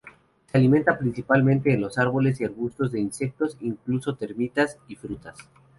Se alimenta principalmente en los árboles y arbustos de insectos, incluso termitas, y frutas.